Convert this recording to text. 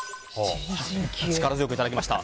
力強くいただきました。